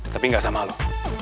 tapi gak sama lu